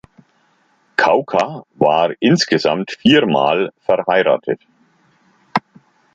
Kauka war insgesamt viermal verheiratet.